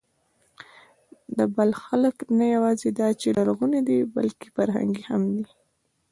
د بلخ خلک نه یواځې دا چې لرغوني دي، بلکې فرهنګي هم دي.